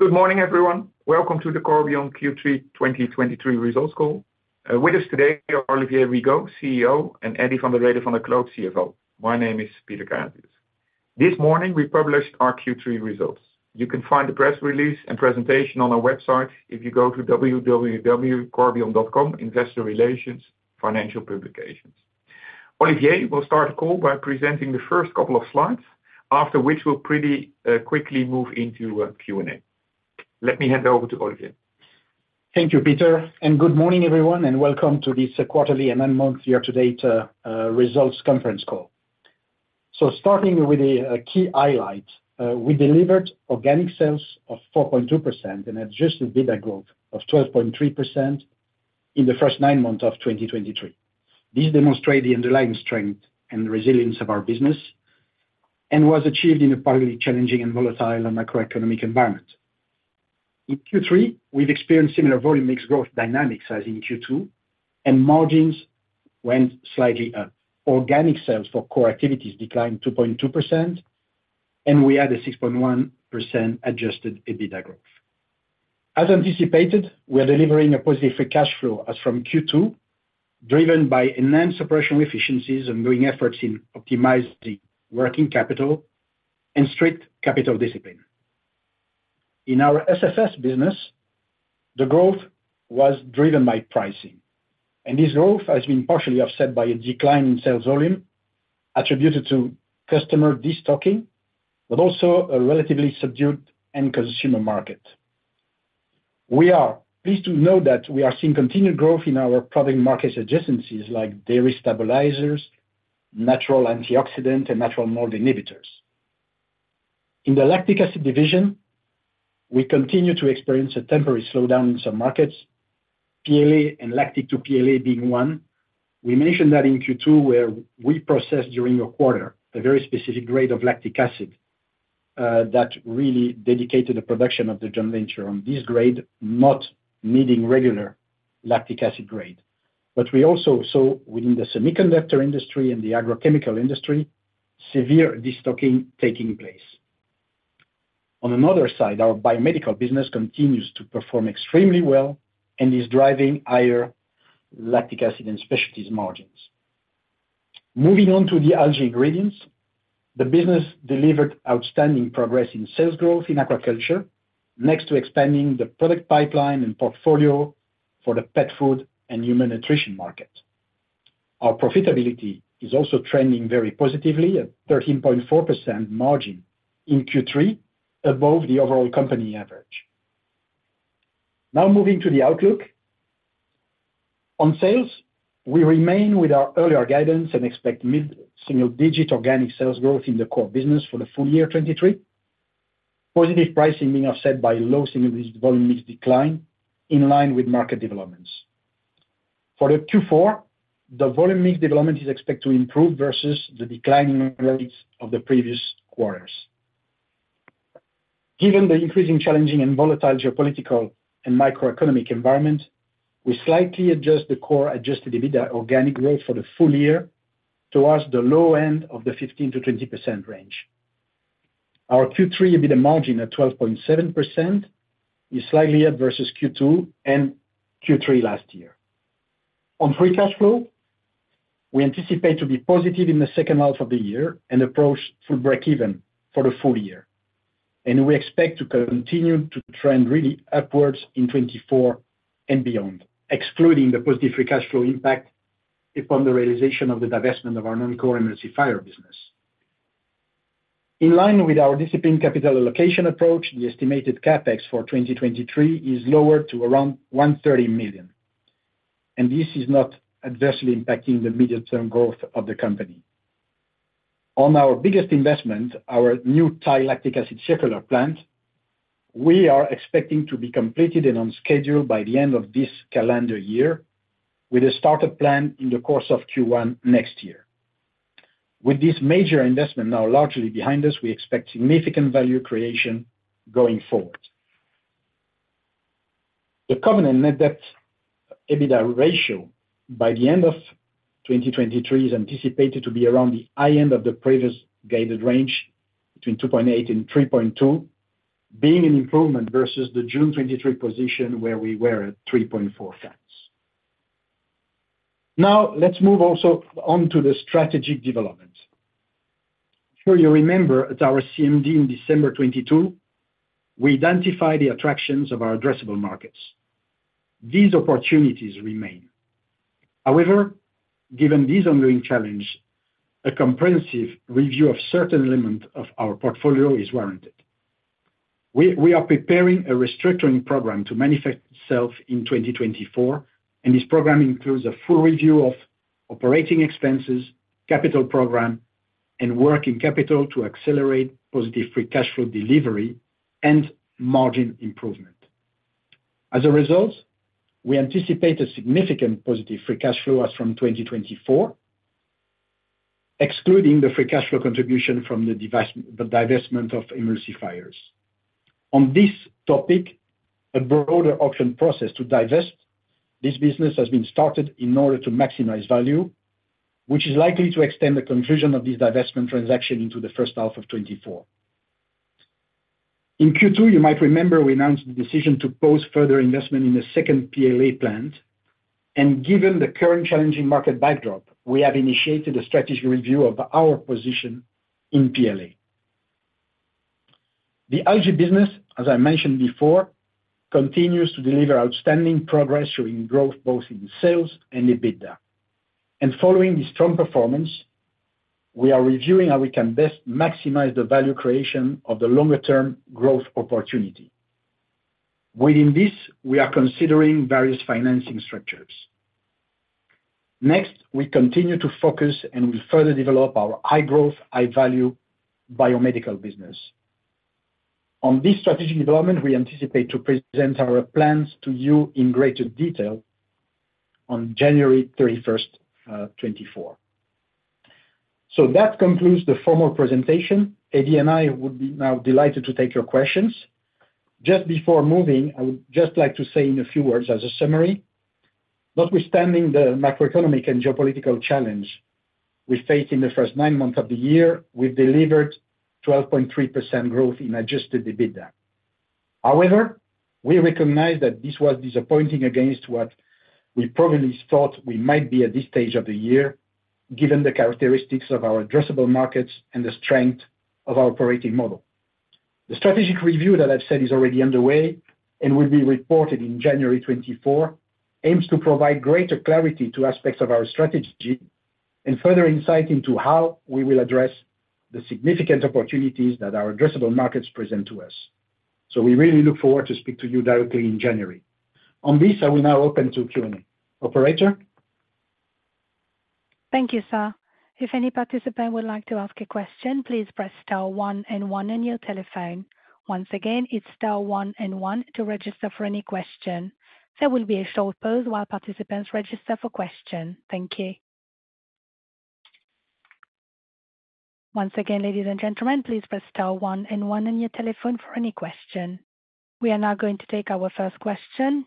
Good morning, everyone. Welcome to the Corbion Q3 2023 results call. With us today are Olivier Rigaud, CEO, and Eddy van Rhede van der Kloot, CFO. My name is Peter Kazius. This morning, we published our Q3 results. You can find the press release and presentation on our website if you go to www.corbion.com, Investor Relations, Financial Publications. Olivier will start the call by presenting the first couple of slides, after which we'll pretty quickly move into Q&A. Let me hand over to Olivier. Thank you, Peter, and good morning, everyone, and welcome to this quarterly and nine months year-to-date results conference call. So starting with the key highlight, we delivered organic sales of 4.2% and adjusted EBITDA growth of 12.3% in the first nine months of 2023. These demonstrate the underlying strength and resilience of our business and was achieved in a partly challenging and volatile macroeconomic environment. In Q3, we've experienced similar volume mix growth dynamics as in Q2, and margins went slightly up. Organic sales for core activities declined 2.2%, and we had a 6.1% adjusted EBITDA growth. As anticipated, we are delivering a positive free cash flow as from Q2, driven by enhanced operational efficiencies and ongoing efforts in optimizing working capital and strict capital discipline. In our SFS business, the growth was driven by pricing, and this growth has been partially offset by a decline in sales volume attributed to customer destocking, but also a relatively subdued end consumer market. We are pleased to know that we are seeing continued growth in our product market adjacencies, like dairy stabilizers, natural antioxidant, and natural mold inhibitors. In the lactic acid division, we continue to experience a temporary slowdown in some markets, PLA and lactic to PLA being one. We mentioned that in Q2, where we processed during the quarter, a very specific grade of lactic acid, that really dedicated the production of the joint venture on this grade, not needing regular lactic acid grade. We also saw within the semiconductor industry and the agrochemical industry, severe destocking taking place. On another side, our biomedical business continues to perform extremely well and is driving higher lactic acid and specialties margins. Moving on to the algae ingredients, the business delivered outstanding progress in sales growth in aquaculture, next to expanding the product pipeline and portfolio for the pet food and human nutrition market. Our profitability is also trending very positively, at 13.4% margin in Q3, above the overall company average. Now moving to the outlook. On sales, we remain with our earlier guidance and expect mid-single digit organic sales growth in the core business for the full year 2023. Positive pricing being offset by low single volume mix decline in line with market developments. For the Q4, the volume mix development is expected to improve versus the declining rates of the previous quarters. Given the increasingly challenging and volatile geopolitical and macroeconomic environment, we slightly adjust the core adjusted EBITDA organic growth for the full year towards the low end of the 15%-20% range. Our Q3 EBITDA margin at 12.7% is slightly up versus Q2 and Q3 last year. On free cash flow, we anticipate to be positive in the second half of the year and approach full breakeven for the full year, and we expect to continue to trend really upwards in 2024 and beyond, excluding the positive free cash flow impact upon the realization of the divestment of our non-core emulsifiers business. In line with our disciplined capital allocation approach, the estimated CapEx for 2023 is lower to around 130 million, and this is not adversely impacting the medium-term growth of the company. On our biggest investment, our new Thai lactic acid circular plant, we are expecting to be completed and on schedule by the end of this calendar year, with a startup plan in the course of Q1 next year. With this major investment now largely behind us, we expect significant value creation going forward. The covenant net debt EBITDA ratio by the end of 2023 is anticipated to be around the high end of the previous guided range, between 2.8 and 3.2, being an improvement versus the June 2023 position, where we were at 3.4x. Now, let's move also on to the strategic development. I'm sure you remember at our CMD in December 2022, we identified the attractions of our addressable markets. These opportunities remain. However, given this ongoing challenge, a comprehensive review of certain elements of our portfolio is warranted. We are preparing a restructuring program to manifest itself in 2024, and this program includes a full review of operating expenses, capital program, and working capital to accelerate positive free cash flow delivery and margin improvement. As a result, we anticipate a significant positive free cash flow as from 2024, excluding the free cash flow contribution from the divestment of emulsifiers. On this topic, a broader auction process to divest this business has been started in order to maximize value, which is likely to extend the conclusion of this divestment transaction into the first half of 2024. In Q2, you might remember, we announced the decision to pause further investment in the second PLA plant, and given the current challenging market backdrop, we have initiated a strategic review of our position in PLA. The Algae business, as I mentioned before, continues to deliver outstanding progress, showing growth both in sales and EBITDA. Following this strong performance, we are reviewing how we can best maximize the value creation of the longer-term growth opportunity. Within this, we are considering various financing structures. Next, we continue to focus, and we further develop our high-growth, high-value biomedical business. On this strategic development, we anticipate to present our plans to you in greater detail on January 31st, 2024. So that concludes the formal presentation. Eddy and I would be now delighted to take your questions. Just before moving, I would just like to say in a few words as a summary, notwithstanding the macroeconomic and geopolitical challenge we faced in the first nine months of the year, we've delivered 12.3% growth in adjusted EBITDA. However, we recognize that this was disappointing against what we probably thought we might be at this stage of the year, given the characteristics of our addressable markets and the strength of our operating model. The strategic review that I've said is already underway and will be reported in January 2024, aims to provide greater clarity to aspects of our strategy and further insight into how we will address the significant opportunities that our addressable markets present to us. So we really look forward to speak to you directly in January. On this, I will now open to Q&A. Operator? Thank you, sir. If any participant would like to ask a question, please press star one and one on your telephone. Once again, it's star one and one to register for any question. There will be a short pause while participants register for question. Thank you. Once again, ladies and gentlemen, please press star one and one on your telephone for any question. We are now going to take our first question.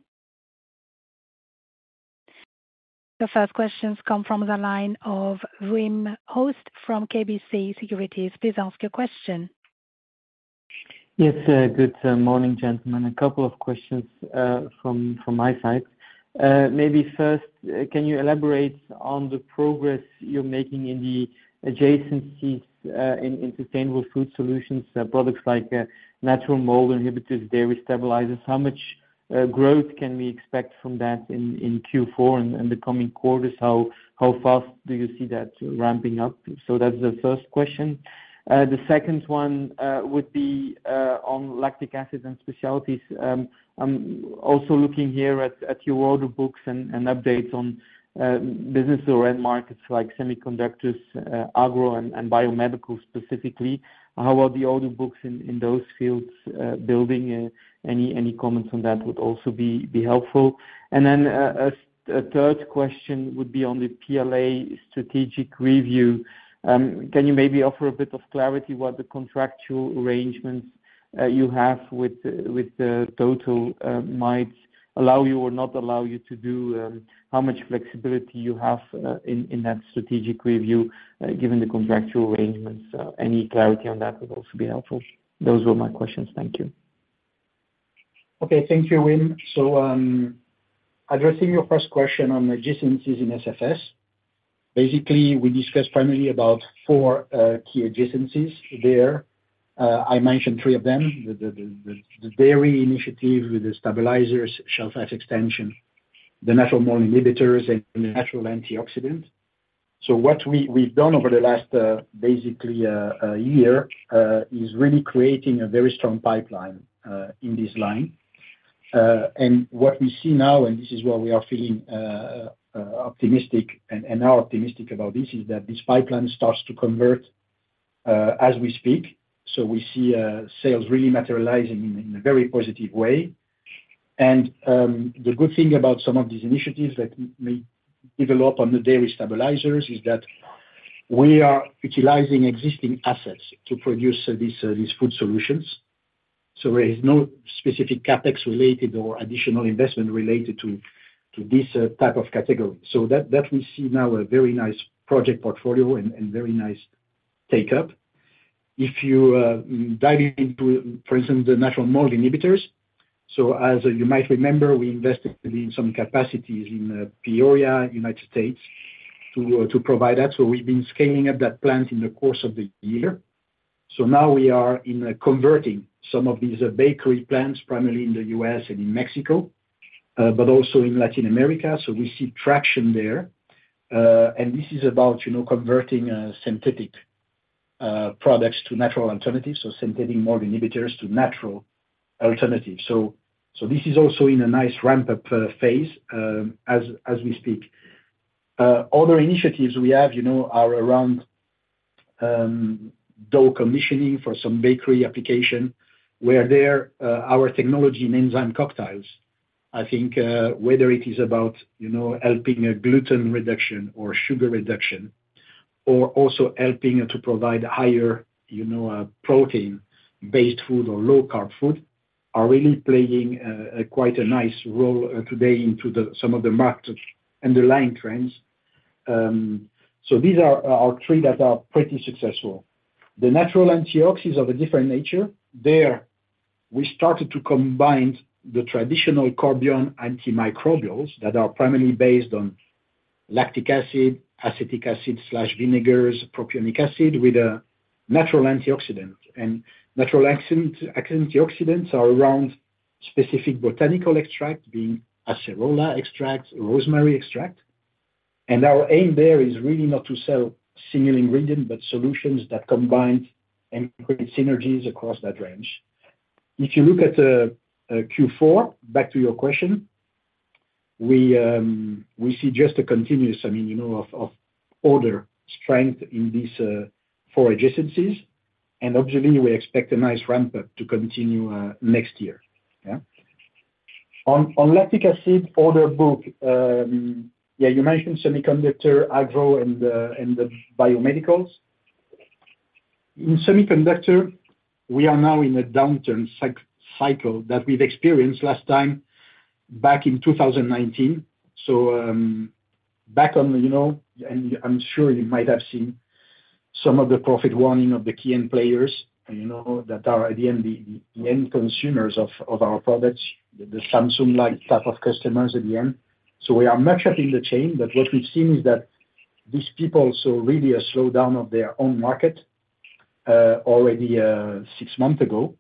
The first questions come from the line of Wim Hoste from KBC Securities. Please ask your question. Yes, good morning, gentlemen. A couple of questions from my side. Maybe first, can you elaborate on the progress you're making in the adjacencies in sustainable food solutions, products like natural mold inhibitors, dairy stabilizers. How much growth can we expect from that in Q4 and the coming quarters? How fast do you see that ramping up? So that's the first question. The second one would be on lactic acid and specialties. I'm also looking here at your order books and updates on business or end markets like semiconductors, agro, and biomedical specifically. How are the order books in those fields building? Any comments on that would also be helpful. And then, a third question would be on the PLA strategic review. Can you maybe offer a bit of clarity what the contractual arrangements you have with the TotalEnergies might allow you or not allow you to do, how much flexibility you have in that strategic review, given the contractual arrangements? Any clarity on that would also be helpful. Those were my questions. Thank you. Okay. Thank you, Wim. So, addressing your first question on adjacencies in SFS, basically, we discussed primarily about four key adjacencies there. I mentioned three of them, the dairy initiative with the stabilizers, shelf life extension, the natural mold inhibitors, and natural antioxidants. So what we, we've done over the last basically year is really creating a very strong pipeline in this line. And what we see now, and this is where we are feeling optimistic and are optimistic about this, is that this pipeline starts to convert as we speak. So we see sales really materializing in a very positive way. The good thing about some of these initiatives that may develop on the dairy stabilizers is that we are utilizing existing assets to produce these food solutions. So there is no specific CapEx related or additional investment related to this type of category. So that we see now a very nice project portfolio and very nice take-up. If you dive into, for instance, the natural mold inhibitors, so as you might remember, we invested in some capacities in Peoria, United States, to provide that. So we've been scaling up that plant in the course of the year. So now we are in the converting some of these bakery plants, primarily in the U.S. and in Mexico, but also in Latin America, so we see traction there. And this is about, you know, converting synthetic products to natural alternatives, so synthetic mold inhibitors to natural alternatives. So this is also in a nice ramp-up phase, as we speak. Other initiatives we have, you know, are around dough conditioners for some bakery application, where our technology in enzyme cocktails, I think, whether it is about, you know, helping a gluten reduction or sugar reduction or also helping to provide higher, you know, protein-based food or low-carb food, are really playing quite a nice role today in some of the market underlying trends. So these are three that are pretty successful. The natural antioxidants of a different nature, there, we started to combine the traditional Corbion antimicrobials that are primarily based on lactic acid, acetic acid/vinegars, propionic acid with a natural antioxidant. And natural antioxidants are around specific botanical extract, being acerola extract, rosemary extract. And our aim there is really not to sell single ingredient, but solutions that combine and create synergies across that range. If you look at Q4, back to your question, we see just a continuous, I mean, you know, of order strength in these four adjacencies, and obviously we expect a nice ramp up to continue next year. Yeah. On lactic acid order book, yeah, you mentioned semiconductor, agro, and the biomedicals. In semiconductor, we are now in a downturn cycle that we've experienced last time back in 2019. So, back on the, you know, and I'm sure you might have seen some of the profit warning of the key end players, you know, that are at the end, the end consumers of our products, the Samsung-like type of customers at the end. So we are not yet in the chain, but what we've seen is that these people saw really a slowdown of their own market already six months ago.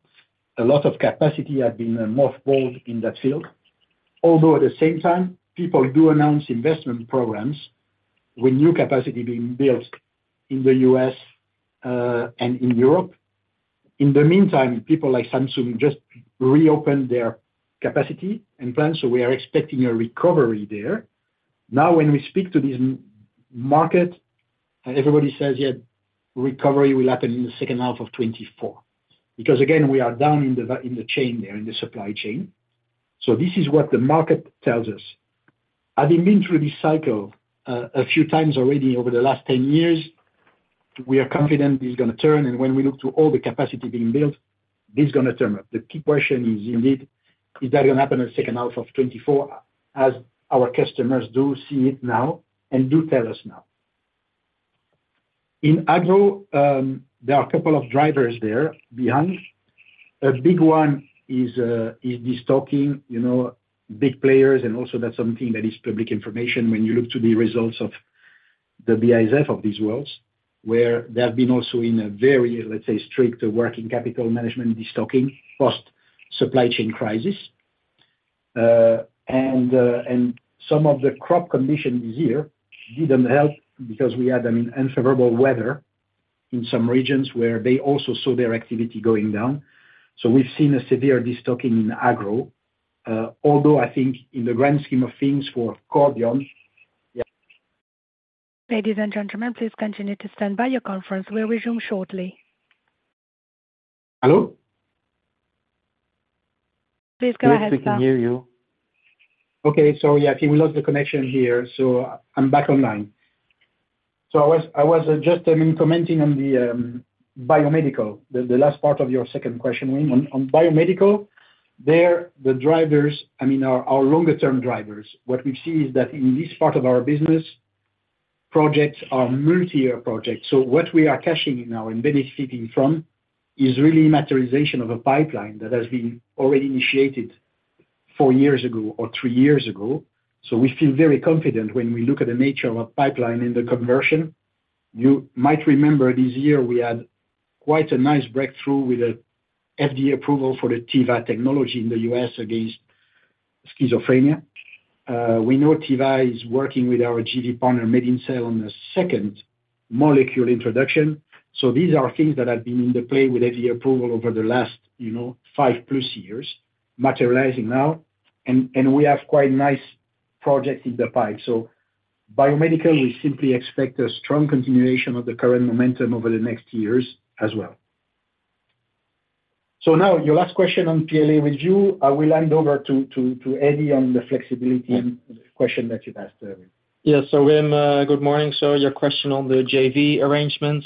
A lot of capacity had been mothballed in that field. Although, at the same time, people do announce investment programs with new capacity being built in the U.S. and in Europe. In the meantime, people like Samsung just reopened their capacity and plan, so we are expecting a recovery there. Now, when we speak to this market, everybody says, "Yeah, recovery will happen in the second half of 2024." Because, again, we are down in the chain there, in the supply chain. So this is what the market tells us. Having been through this cycle a few times already over the last 10 years, we are confident it's gonna turn, and when we look to all the capacity being built, this is gonna turn up. The key question is, indeed, is that gonna happen in the second half of 2024, as our customers do see it now and do tell us now? In agro, there are a couple of drivers there behind. A big one is destocking, you know, big players, and also that's something that is public information when you look to the results of the BASF of these worlds, where they have been also in a very, let's say, strict working capital management destocking post-supply chain crisis. And some of the crop conditions this year didn't help because we had, I mean, unfavorable weather in some regions where they also saw their activity going down. So we've seen a severe destocking in agro, although I think in the grand scheme of things for Corbion, yeah- Ladies and gentlemen, please continue to stand by. Your conference will resume shortly. Hello? Please go ahead, sir. Yes, we can hear you. Okay. So, yeah, we lost the connection here, so I'm back online. So I was just, I mean, commenting on the biomedical, the last part of your second question. On biomedical, the drivers, I mean, are longer term drivers. What we see is that in this part of our business, projects are multi-year projects. So what we are cashing in now and benefiting from is really materialization of a pipeline that has been already initiated four years ago or three years ago. So we feel very confident when we look at the nature of our pipeline in the conversion. You might remember this year we had quite a nice breakthrough with a FDA approval for the Tiva technology in the U.S. against schizophrenia. We know Tiva is working with our JV partner, MedinCell, on a second molecule introduction. So these are things that have been in the play with FDA approval over the last, you know, 5+ years, materializing now, and we have quite nice projects in the pipe. So biomedical, we simply expect a strong continuation of the current momentum over the next years as well. So now, your last question on PLA review, I will hand over to Eddy on the flexibility and question that you've asked earlier. Yeah. So Wim, good morning. So your question on the JV arrangements.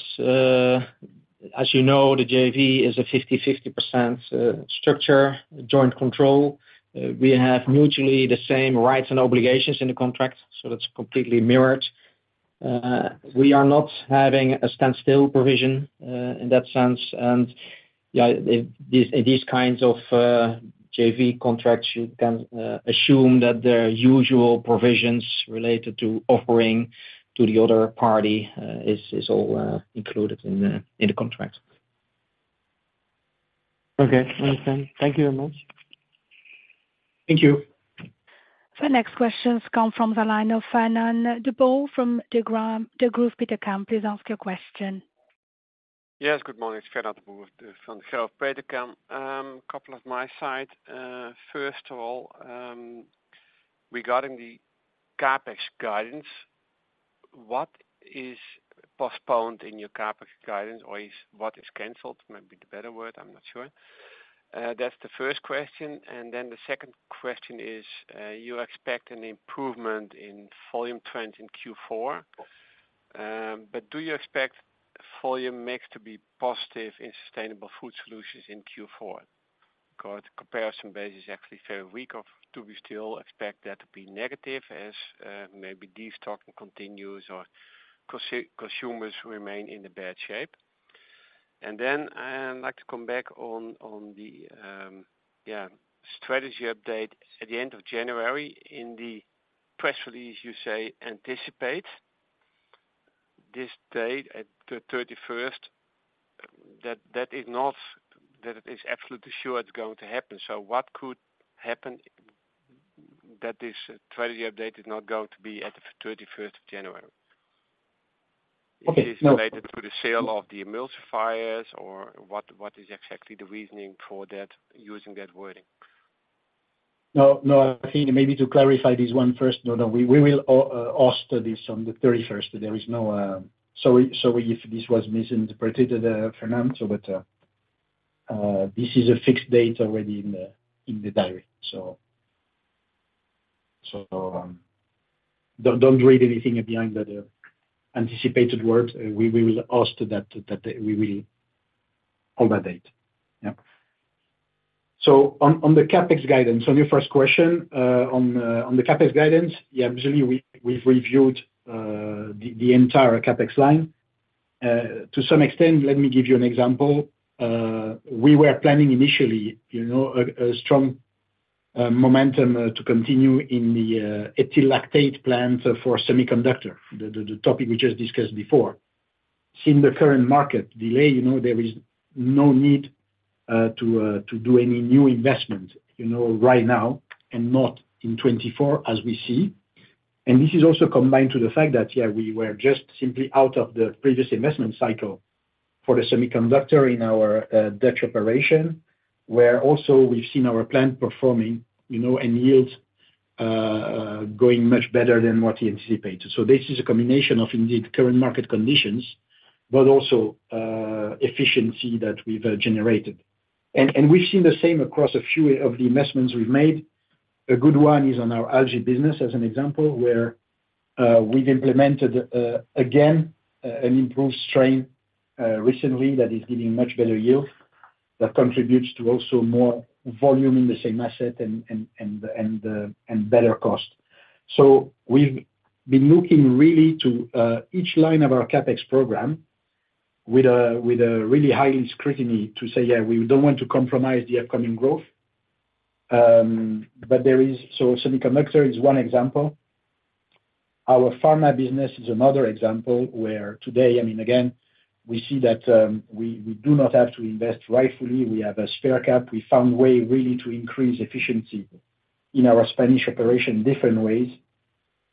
As you know, the JV is a 50/50 structure, joint control. We have mutually the same rights and obligations in the contract, so that's completely mirrored. We are not having a standstill provision in that sense. And, yeah, in these kinds of JV contracts, you can assume that their usual provisions related to offering to the other party is all included in the contract. Okay. Understand. Thank you very much. Thank you. The next questions come from the line of Fernand de Boer from Degroof Petercam. Please ask your question. Yes, good morning. It's Fernand de Boer from Degroof Petercam. Couple of my side. First of all, regarding the CapEx guidance, what is postponed in your CapEx guidance, or is what is canceled? Maybe the better word, I'm not sure.... that's the first question, and then the second question is, you expect an improvement in volume trend in Q4, but do you expect volume mix to be positive in sustainable food solutions in Q4? 'Cause comparison base is actually very weak of-- do we still expect that to be negative as, maybe destocking continues or consumers remain in a bad shape? And then I'd like to come back on, on the, yeah, strategy update at the end of January. In the press release, you say, "Anticipate this date at the 31st," that is not that it is absolutely sure it's going to happen. So what could happen that this strategy update is not going to be at the January 31st? Is it related to the sale of the emulsifiers or what is exactly the reasoning for that, using that wording? No, no, I think maybe to clarify this one first. No, no, we will host this on the 31st. There is no... Sorry, sorry if this was misinterpreted, Fernand, but this is a fixed date already in the diary. So, so, don't, don't read anything behind the anticipated word. We, we will host that, that, we will on that date. Yeah. So on the CapEx guidance, on your first question, on the CapEx guidance, yeah, absolutely, we, we've reviewed the entire CapEx line. To some extent, let me give you an example. We were planning initially, you know, a strong momentum to continue in the ethyl lactate plant for semiconductor, the topic we just discussed before. In the current market delay, you know, there is no need to do any new investment, you know, right now and not in 2024, as we see. And this is also combined to the fact that, yeah, we were just simply out of the previous investment cycle for the semiconductor in our Dutch operation, where also we've seen our plant performing, you know, and yields going much better than what we anticipated. So this is a combination of indeed current market conditions, but also efficiency that we've generated. And we've seen the same across a few of the investments we've made. A good one is on our algae business, as an example, where we've implemented again an improved strain recently that is giving much better yield, that contributes to also more volume in the same asset and better cost. So we've been looking really to each line of our CapEx program with a really high scrutiny to say, "Yeah, we don't want to compromise the upcoming growth." But there is. So semiconductor is one example. Our pharma business is another example, where today, I mean, again, we see that we do not have to invest rightfully. We have a spare cap. We found way really to increase efficiency in our Spanish operation, different ways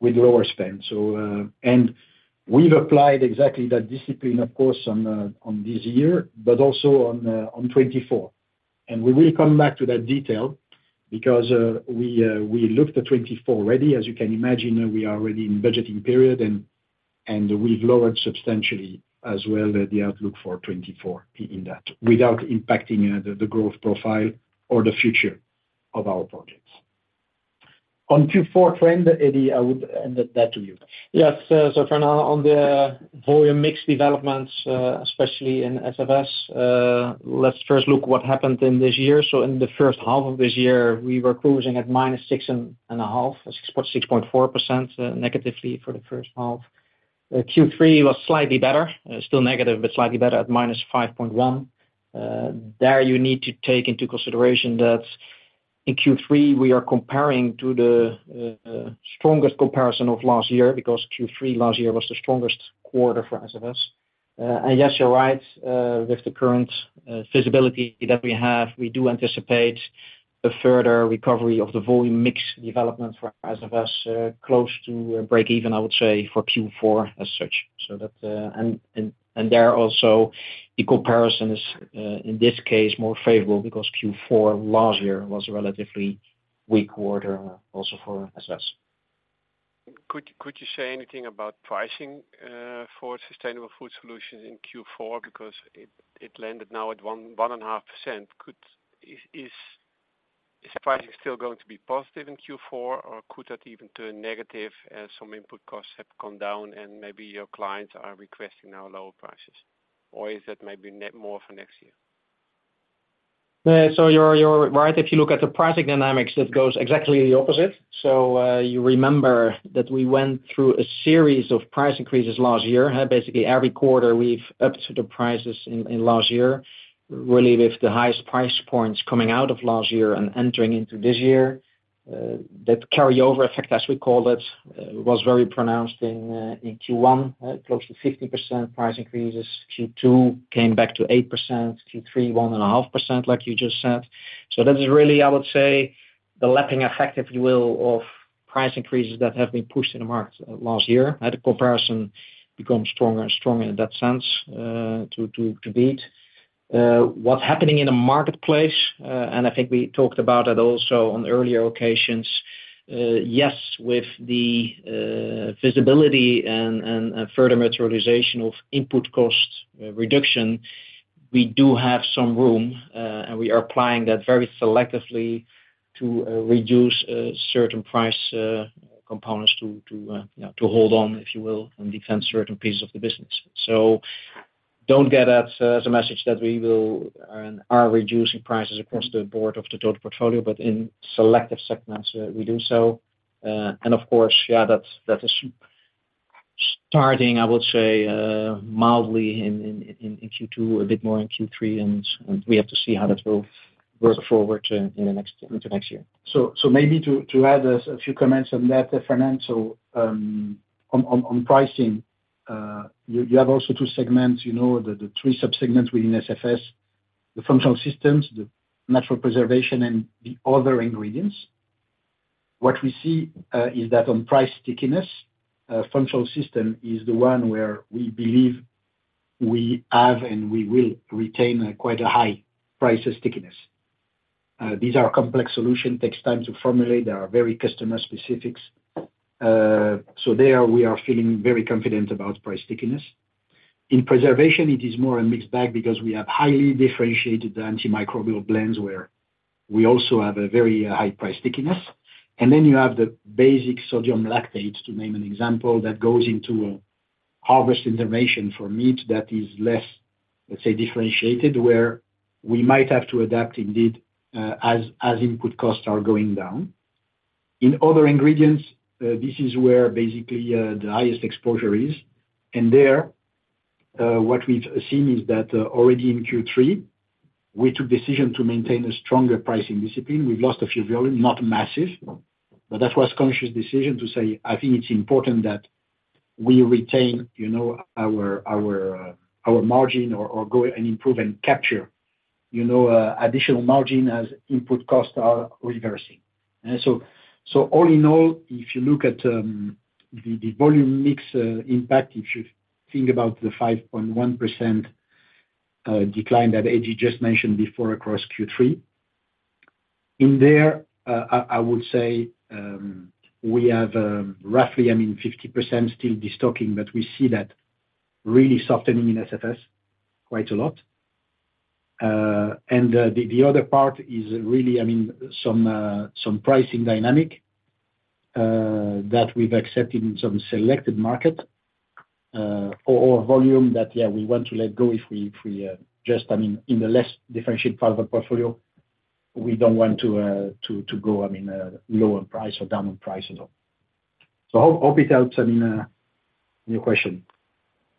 with lower spend. So... We've applied exactly that discipline, of course, on this year, but also on 2024. And we will come back to that detail because we looked at 2024 already. As you can imagine, we are already in budgeting period and we've lowered substantially as well the outlook for 2024 in that, without impacting the growth profile or the future of our projects. On Q4 trend, Eddy, I would hand that to you. Yes, so for now, on the volume mix developments, especially in SFS, let's first look what happened in this year. So in the first half of this year, we were cruising at -6.5%, 6.4% negatively for the first half. Q3 was slightly better, still negative, but slightly better at -5.1. There, you need to take into consideration that in Q3, we are comparing to the strongest comparison of last year, because Q3 last year was the strongest quarter for SFS. And yes, you're right, with the current visibility that we have, we do anticipate a further recovery of the volume mix development for SFS, close to breakeven, I would say, for Q4 as such. So that...And there also, the comparison is in this case, more favorable because Q4 last year was a relatively weak quarter also for SFS. Could you say anything about pricing for sustainable food solutions in Q4? Because it landed now at 1%-1.5%. Is pricing still going to be positive in Q4, or could that even turn negative as some input costs have come down and maybe your clients are requesting now lower prices, or is that maybe net more for next year? So you're right. If you look at the pricing dynamics, it goes exactly the opposite. So, you remember that we went through a series of price increases last year. Basically, every quarter we've upped the prices in last year, really with the highest price points coming out of last year and entering into this year. That carryover effect, as we call it, was very pronounced in Q1, close to 50% price increases. Q2 came back to 8%, Q3, 1.5%, like you just said. So that is really, I would say, the lapping effect, if you will, of price increases that have been pushed in the market last year. At the comparison, become stronger and stronger in that sense, to beat. What's happening in the marketplace, and I think we talked about it also on earlier occasions, yes, with the visibility and further materialization of input cost reduction, we do have some room, and we are applying that very selectively to reduce certain price components to, you know, to hold on, if you will, and defend certain pieces of the business. So don't get that as a message that we will, and are reducing prices across the board of the total portfolio, but in selective segments, we do so. And of course, yeah, that's, that is starting, I would say, mildly in Q2, a bit more in Q3, and we have to see how that will work forward to, in the next, into next year. So maybe to add a few comments on that, the financial, on pricing, you have also two segments, you know, the three sub-segments within SFS, the Functional Systems, the Natural Preservation, and the other ingredients. What we see is that on price stickiness, Functional Systems is the one where we believe we have, and we will retain, quite a high price stickiness. These are complex solutions, takes time to formulate. They are very customer specific. So there we are feeling very confident about price stickiness. In Preservation, it is more a mixed bag because we have highly differentiated antimicrobial blends, where we also have a very high price stickiness. And then you have the basic sodium lactates, to name an example, that goes into a harvest intervention for meat that is less, let's say, differentiated, where we might have to adapt indeed, as input costs are going down. In other ingredients, this is where basically the highest exposure is, and there, what we've seen is that already in Q3, we took decision to maintain a stronger pricing discipline. We've lost a few volume, not massive, but that was conscious decision to say, "I think it's important that we retain, you know, our, our, our margin or, or go and improve and capture, you know, additional margin as input costs are reversing." And so, so all in all, if you look at, the, the volume mix, impact, you should think about the 5.1% decline that Eddy just mentioned before across Q3. In there, I, I would say, we have, roughly, I mean, 50% still destocking, but we see that really softening in SFS quite a lot. And, the other part is really, I mean, some pricing dynamic that we've accepted in some selected market, or volume that, yeah, we want to let go if we, just, I mean, in the less differentiated part of our portfolio, we don't want to go, I mean, lower price or down on price at all. So hope it helps, I mean, your question.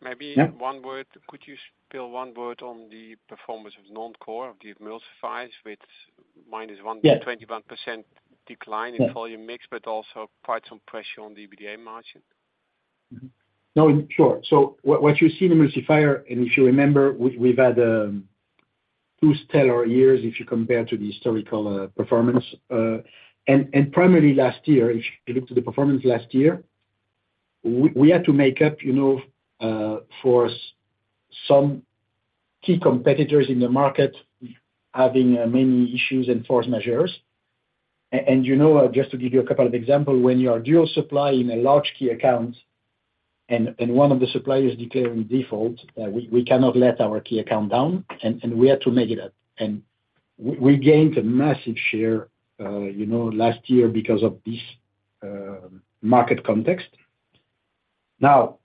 Maybe- Yeah. One word. Could you spill one word on the performance of non-core of the emulsifiers with minus one- Yeah. 21% decline- Yeah... in volume mix, but also quite some pressure on the EBITDA margin? Mm-hmm. No, sure. So what you see in emulsifier, and if you remember, we've had two stellar years if you compare to the historical performance. And primarily last year, if you look to the performance last year, we had to make up, you know, for some key competitors in the market having many issues and force majeures. And, you know, just to give you a couple of example, when you are dual supply in a large key account, and one of the suppliers declare in default, we cannot let our key account down, and we had to make it up. And we gained a massive share, you know, last year because of this market context. Now,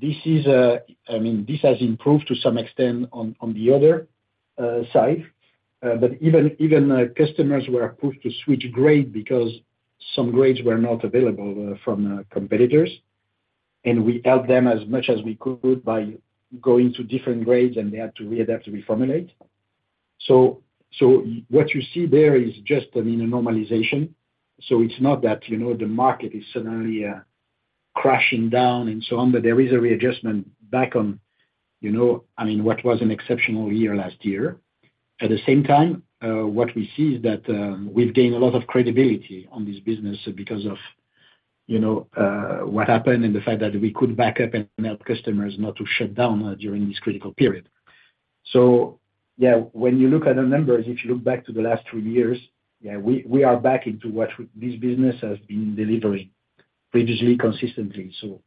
this is, I mean, this has improved to some extent on, on the other side. But even, even, customers were pushed to switch grade because some grades were not available, from, competitors, and we helped them as much as we could by going to different grades, and they had to readapt to reformulate. So, so what you see there is just, I mean, a normalization. So it's not that, you know, the market is suddenly, crashing down and so on, but there is a readjustment back on, you know, I mean, what was an exceptional year last year. At the same time, what we see is that, we've gained a lot of credibility on this business because of, you know, what happened and the fact that we could back up and help customers not to shut down during this critical period. So yeah, when you look at the numbers, if you look back to the last three years, yeah, we are back into what this business has been delivering previously, consistently. So,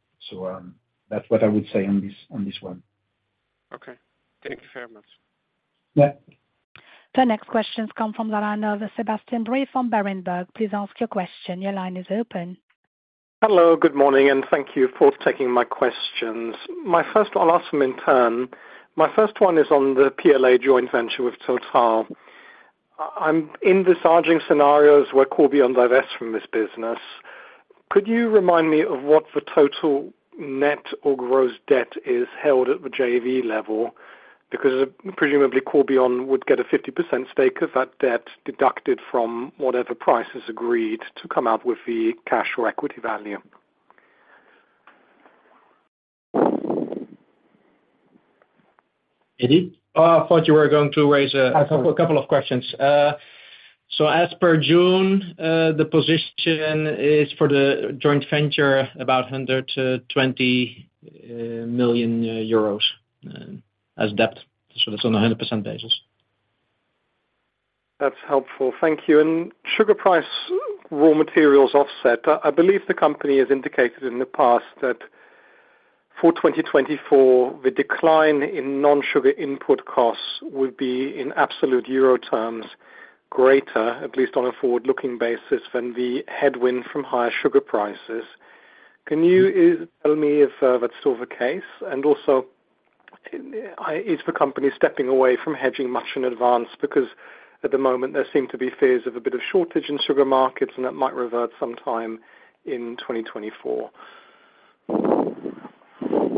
that's what I would say on this, on this one. Okay. Thank you very much. Yeah. The next questions come from the line of Sebastian Bray from Berenberg. Please ask your question. Your line is open. Hello, good morning, and thank you for taking my questions. My first... I'll ask them in turn. My first one is on the PLA joint venture with TotalEnergies. I'm in the strategic scenarios where Corbion divest from this business. Could you remind me of what the total net or gross debt is held at the JV level? Because presumably Corbion would get a 50% stake of that debt deducted from whatever price is agreed to come out with the cash or equity value. Eddy? I thought you were going to raise a couple of questions. So as per June, the position is for the joint venture, about 120 million euros as debt, so that's on a 100% basis. That's helpful. Thank you. And sugar price, raw materials offset, I believe the company has indicated in the past that for 2024, the decline in non-sugar input costs would be in absolute euro terms greater, at least on a forward-looking basis, than the headwind from higher sugar prices. Can you tell me if that's still the case? And also, is the company stepping away from hedging much in advance? Because at the moment, there seem to be fears of a bit of shortage in sugar markets, and that might revert sometime in 2024.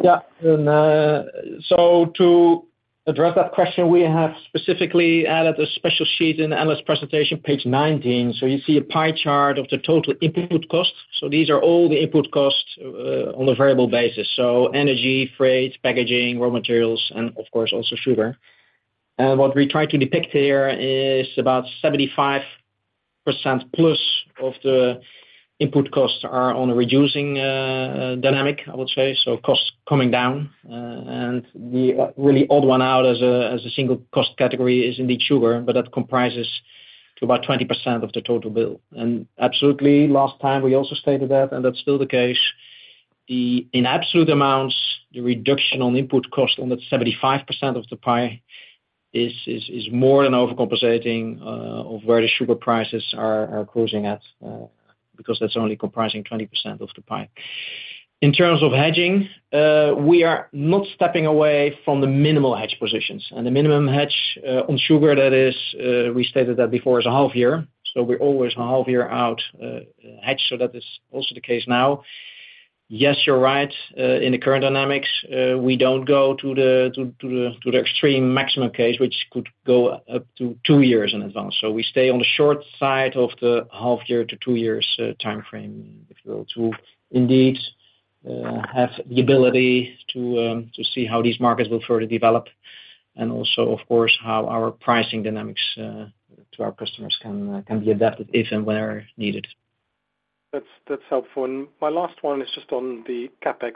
Yeah, and, so to address that question, we have specifically added a special sheet in analyst presentation, page 19. So you see a pie chart of the total input costs, so these are all the input costs, on a variable basis, so energy, freight, packaging, raw materials, and of course, also sugar. And what we try to depict here is about 75%+ of the input costs are on a reducing, dynamic, I would say, so costs coming down. And the really odd one out as a, as a single cost category is indeed sugar, but that comprises to about 20% of the total bill. And absolutely, last time we also stated that, and that's still the case. In absolute amounts, the reduction on input costs on that 75% of the pie is more than overcompensating for where the sugar prices are closing at, because that's only comprising 20% of the pie. In terms of hedging, we are not stepping away from the minimal hedge positions, and the minimum hedge on sugar that is we stated that before is a half year, so we're always a half year out hedge, so that is also the case now. Yes, you're right, in the current dynamics, we don't go to the extreme maximum case, which could go up to two years in advance. We stay on the short side of the half year to two years time frame, if you will, to indeed have the ability to see how these markets will further develop, and also, of course, how our pricing dynamics to our customers can be adapted if and where needed. That's helpful. My last one is just on the CapEx,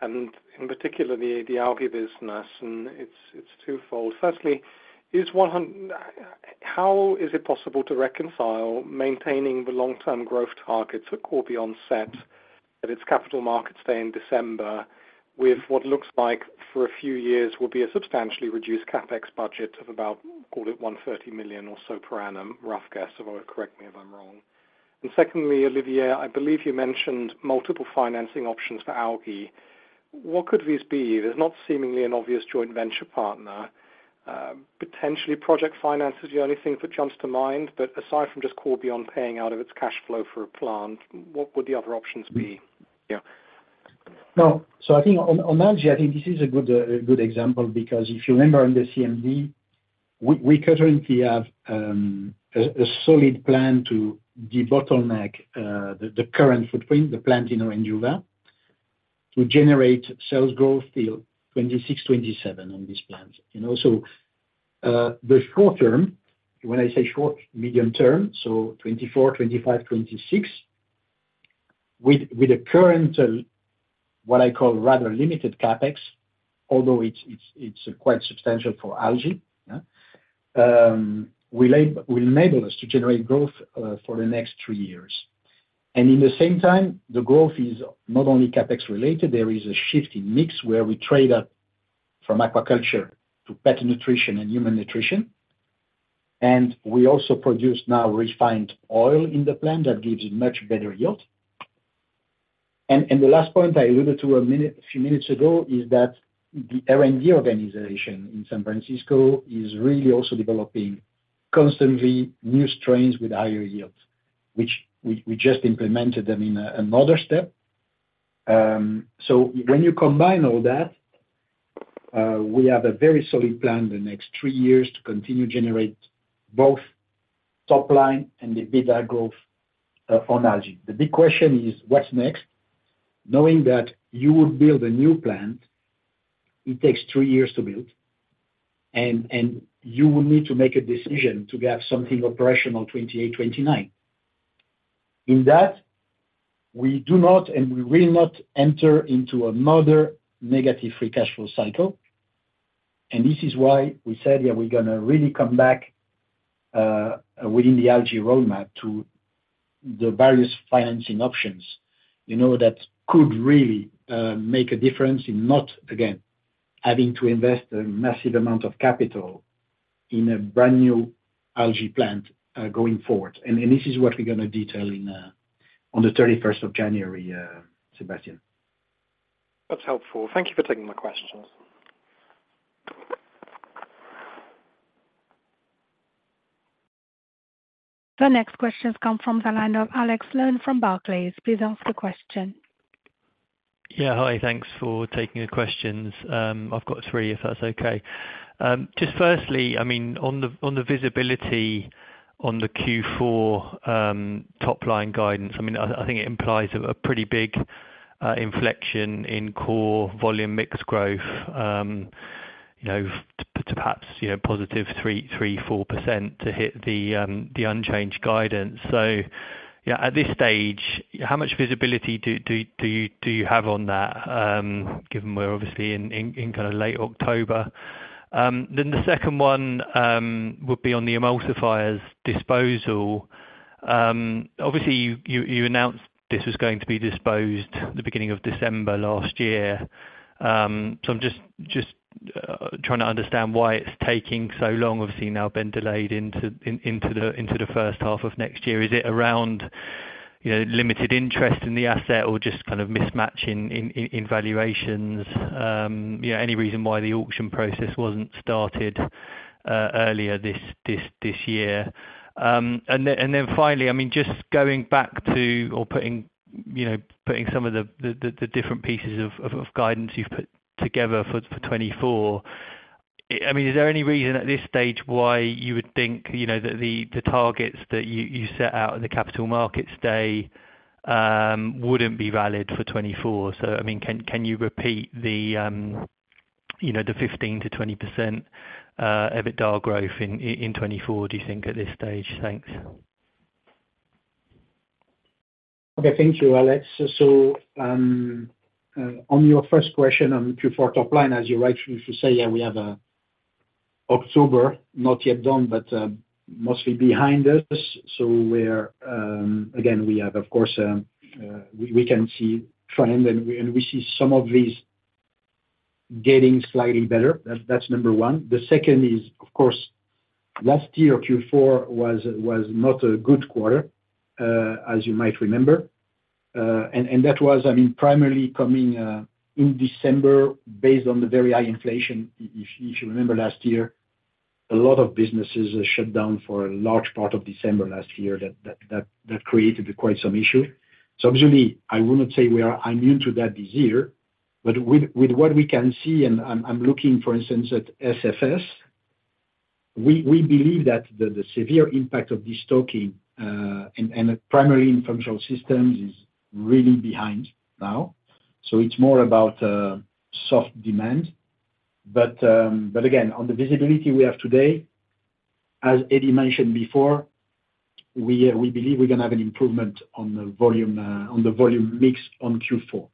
and in particular, the Algae business, and it's twofold. Firstly, how is it possible to reconcile maintaining the long-term growth targets that Corbion set at its Capital Markets Day in December, with what looks like for a few years, will be a substantially reduced CapEx budget of about, call it 130 million or so per annum, rough guess, or correct me if I'm wrong. And secondly, Olivier, I believe you mentioned multiple financing options for Algae. What could these be? There's not seemingly an obvious joint venture partner. Potentially project finance is the only thing that jumps to mind, but aside from just Corbion paying out of its cash flow for a plant, what would the other options be? Yeah. No, so I think on, on Algae, I think this is a good, a good example, because if you remember in the CMD, we, we currently have, a solid plan to debottleneck, the current footprint, the plant in Orindiúva, to generate sales growth till 2026, 2027 on this plant. You know, so, the short term, when I say short, medium term, so 2024, 2025, 2026, with the current, what I call rather limited CapEx, although it's quite substantial for Algae, yeah. Will enable us to generate growth, for the next three years. And in the same time, the growth is not only CapEx related, there is a shift in mix where we trade up from aquaculture to pet nutrition and human nutrition. We also produce now refined oil in the plant that gives a much better yield. And the last point I alluded to a few minutes ago is that the R&D organization in San Francisco is really also developing constantly new strains with higher yields, which we just implemented them in another step. So when you combine all that, we have a very solid plan the next three years to continue generate both top line and the EBITDA growth on Algae. The big question is, what's next? Knowing that you will build a new plant, it takes three years to build, and you will need to make a decision to have something operational 2028, 2029. In that, we do not, and we will not enter into another negative free cash flow cycle, and this is why we said, yeah, we're gonna really come back, within the Algae roadmap to the various financing options, you know, that could really, make a difference in not, again, having to invest a massive amount of capital in a brand new Algae plant, going forward. And, and this is what we're gonna detail in, on the January 31st, Sebastian. That's helpful. Thank you for taking my questions. The next question has come from the line of Alex Sloane from Barclays. Please ask the question. Yeah, hi, thanks for taking the questions. I've got three, if that's okay. Just firstly, I mean, on the visibility on the Q4 top line guidance, I mean, I think it implies a pretty big inflection in core volume mix growth, you know, to perhaps positive 3%-4% to hit the unchanged guidance. So yeah, at this stage, how much visibility do you have on that, given we're obviously in kind of late October? Then the second one would be on the emulsifiers disposal. Obviously, you announced this was going to be disposed the beginning of December last year. So I'm just trying to understand why it's taking so long. Obviously, now been delayed into the first half of next year. Is it around, you know, limited interest in the asset or just kind of mismatch in valuations? Yeah, any reason why the auction process wasn't started earlier this year? And then finally, I mean, just going back to or putting, you know, putting some of the different pieces of guidance you've put together for 2024, I mean, is there any reason at this stage why you would think, you know, that the targets that you set out in the capital markets day wouldn't be valid for 2024? So, I mean, can you repeat the, you know, the 15%-20% EBITDA growth in 2024, do you think, at this stage? Thanks. Okay, thank you, Alex. So, on your first question on Q4 top line, as you rightly say, yeah, we have a October, not yet done, but, mostly behind us, so we're, again, we have, of course, we can see trend, and we see some of these getting slightly better. That's number one. The second is, of course, last year, Q4 was not a good quarter, as you might remember. And that was, I mean, primarily coming in December, based on the very high inflation. If, if you remember last year, a lot of businesses shut down for a large part of December last year. That created quite some issue. So obviously, I would not say we are immune to that this year. But with what we can see, and I'm looking, for instance, at SFS, we believe that the severe impact of this destocking, and primarily in functional systems, is really behind now, so it's more about soft demand. But again, on the visibility we have today, as Eddy mentioned before, we believe we're gonna have an improvement on the volume, on the volume mix on Q4.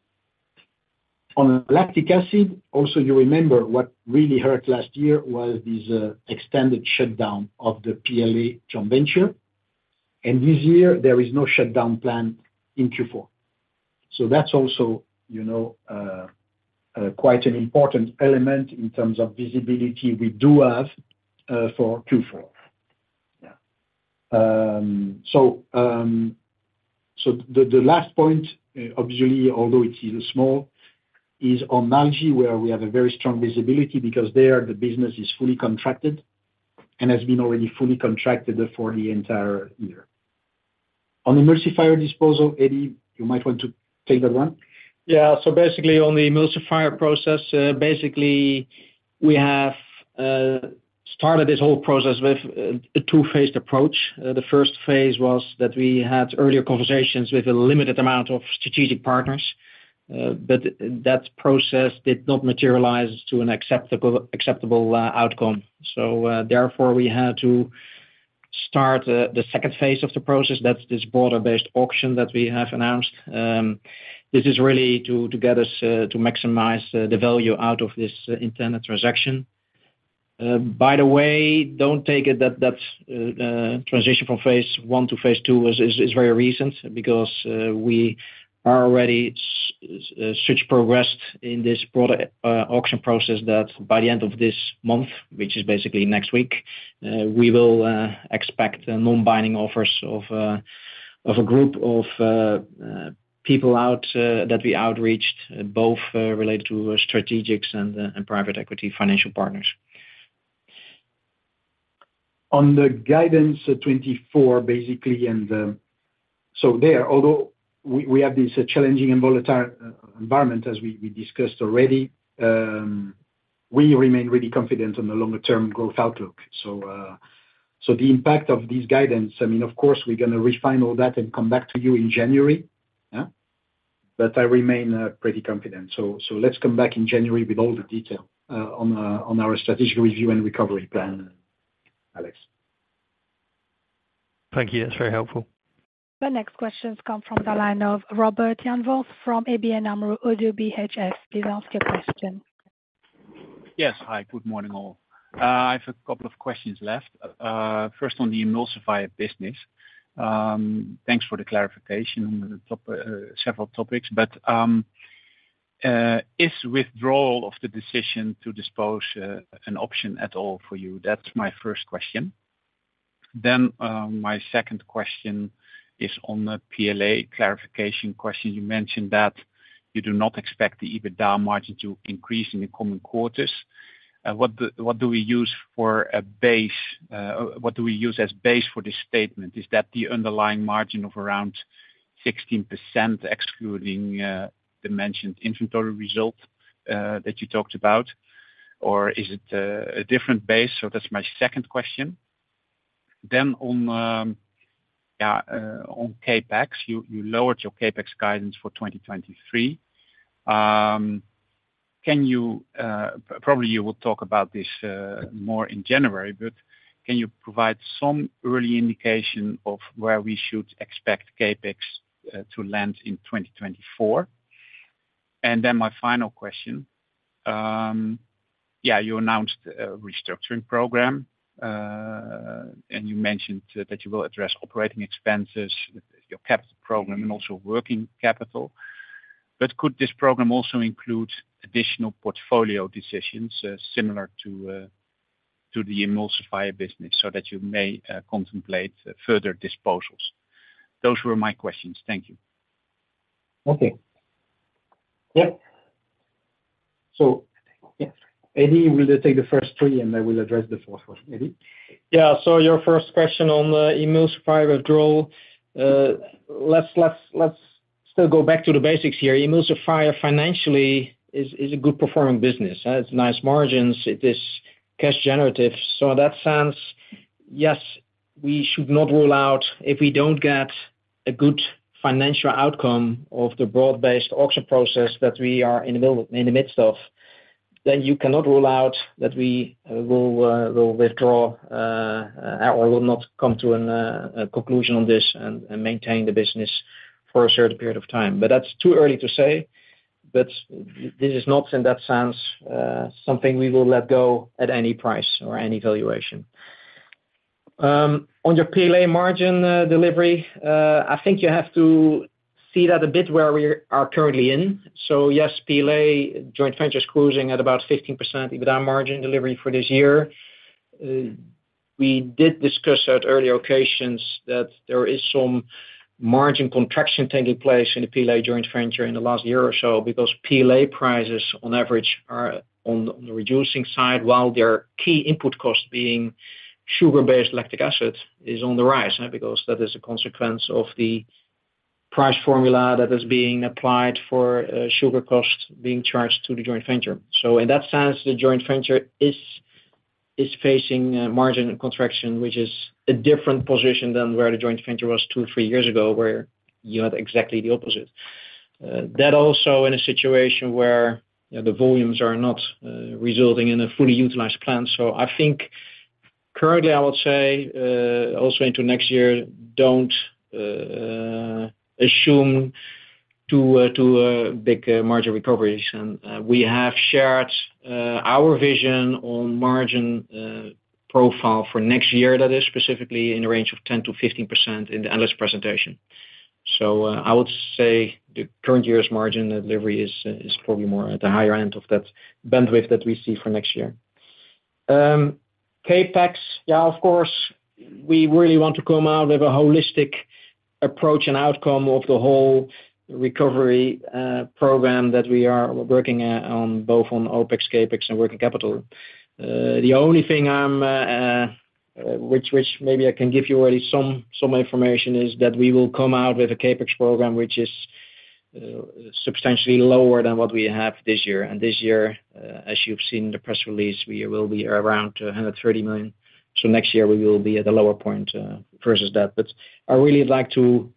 On lactic acid, also, you remember what really hurt last year was this extended shutdown of the PLA joint venture, and this year there is no shutdown plan in Q4. So that's also, you know, quite an important element in terms of visibility we do have for Q4. Yeah. So, the last point, obviously, although it is small, is on algae, where we have a very strong visibility because there, the business is fully contracted and has been already fully contracted for the entire year. On emulsifier disposal, Eddy, you might want to take that one? Yeah. So basically, on the emulsifier process, basically, we have started this whole process with a two-phased approach. The first phase was that we had earlier conversations with a limited amount of strategic partners, but that process did not materialize to an acceptable outcome. So, therefore, we had to start the second phase of the process. That's this broader-based auction that we have announced. This is really to get us to maximize the value out of this intended transaction. By the way, don't take it that the transition from phase one to phase two is very recent, because we are already progressed in this product auction process that by the end of this month, which is basically next week, we will expect non-binding offers from a group of people that we reached out to, both related to strategics and private equity financial partners. On the guidance at 2024, basically, and, so there, although we, we have this challenging and volatile, environment as we, we discussed already, we remain really confident on the longer-term growth outlook. So, so the impact of this guidance, I mean, of course, we're gonna refine all that and come back to you in January, yeah? But I remain, pretty confident. So, so let's come back in January with all the detail, on, on our strategic review and recovery plan, Alex. Thank you. That's very helpful. The next questions come from the line of Robert Jan Vos from ABN AMRO-ODDO BHF. Please ask your question. Yes. Hi, good morning, all. I have a couple of questions left. First, on the emulsifier business, thanks for the clarification on the top several topics. But, is withdrawal of the decision to dispose an option at all for you? That's my first question. Then, my second question is on the PLA clarification question. You mentioned that you do not expect the EBITDA margin to increase in the coming quarters. What do we use as base for this statement? Is that the underlying margin of around 16%, excluding the mentioned inventory result that you talked about, or is it a different base? So that's my second question. Then on CapEx, you lowered your CapEx guidance for 2023. Can you, probably you will talk about this, more in January, but can you provide some early indication of where we should expect CapEx to land in 2024? And then my final question, yeah, you announced a restructuring program, and you mentioned that you will address operating expenses, your capital program, and also working capital. But could this program also include additional portfolio decisions, similar to, to the emulsifier business, so that you may, contemplate further disposals? Those were my questions. Thank you. Okay. Yep. So yes, Eddy will take the first three, and I will address the fourth one. Eddy? Yeah. So your first question on the emulsifier withdrawal, let's still go back to the basics here. Emulsifier financially is a good performing business. It's nice margins, it is cash generative. So in that sense, yes, we should not rule out if we don't get a good financial outcome of the broad-based auction process that we are in the middle, in the midst of, then you cannot rule out that we will withdraw or will not come to a conclusion on this and maintain the business for a certain period of time. But that's too early to say. But this is not, in that sense, something we will let go at any price or any valuation. On your PLA margin, delivery, I think you have to see that a bit where we are currently in. So yes, PLA joint venture is cruising at about 15% EBITDA margin delivery for this year. We did discuss at earlier occasions that there is some margin contraction taking place in the PLA joint venture in the last year or so, because PLA prices on average are on, on the reducing side, while their key input costs, being sugar-based lactic acid, is on the rise. Because that is a consequence of the price formula that is being applied for, sugar costs being charged to the joint venture. So in that sense, the joint venture is facing margin contraction, which is a different position than where the joint venture was two, three years ago, where you had exactly the opposite. That also in a situation where, you know, the volumes are not resulting in a fully utilized plant. So I think currently, I would say, also into next year, don't assume too big margin recovery. And we have shared our vision on margin profile for next year, that is specifically in the range of 10%-15% in the analyst presentation. So I would say the current year's margin delivery is probably more at the higher end of that bandwidth that we see for next year. CapEx, yeah, of course, we really want to come out with a holistic approach and outcome of the whole recovery program that we are working on both OpEx, CapEx, and working capital. The only thing which maybe I can give you already some information is that we will come out with a CapEx program, which is substantially lower than what we have this year. And this year, as you've seen in the press release, we will be around 130 million. So next year we will be at a lower point versus that. But I really would like to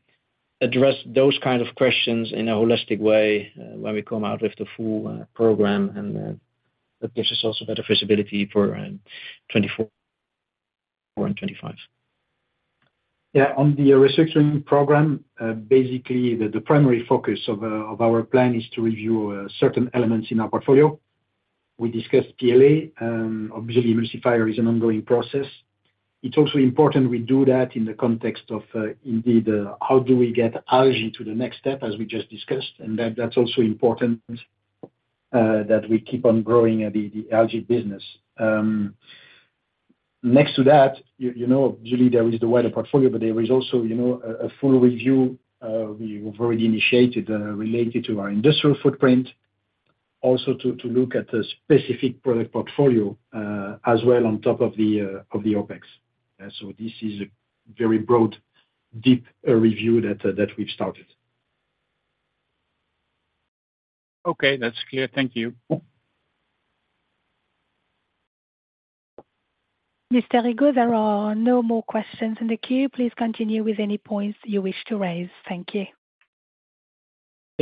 address those kind of questions in a holistic way, when we come out with the full program, and that gives us also better visibility for 2024 and 2025. Yeah. On the restructuring program, basically, the primary focus of our plan is to review certain elements in our portfolio. We discussed PLA, obviously emulsifier is an ongoing process. It's also important we do that in the context of, indeed, how do we get algae to the next step, as we just discussed, and that's also important that we keep on growing the algae business. Next to that, you know, obviously there is the wider portfolio, but there is also, you know, a full review we've already initiated related to our industrial footprint. Also, to look at the specific product portfolio, as well, on top of the OpEx. So this is a very broad, deep review that we've started. Okay. That's clear. Thank you. Mr. Rigaud, there are no more questions in the queue. Please continue with any points you wish to raise. Thank you.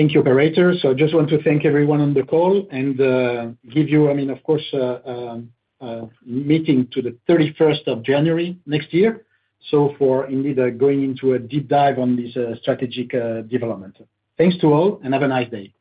Thank you, operator. I just want to thank everyone on the call and give you, I mean, of course, meeting to the January 31st next year. For indeed going into a deep dive on this strategic development. Thanks to all, and have a nice day.